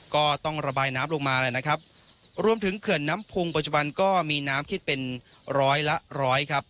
ก็ต้องระบายน้ำลงมาเลยนะครับรวมถึงเขื่อนน้ำพุงปัจจุบันก็มีน้ำคิดเป็นร้อยละร้อยครับ